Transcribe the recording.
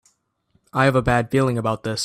I have a bad feeling about this!